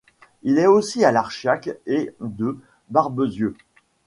Il est aussi à d'Archiac et de Barbezieux.